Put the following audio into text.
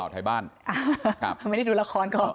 ไม่ได้ดูละครก่อไป